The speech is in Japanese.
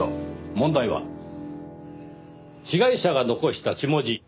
問題は被害者が残した血文字。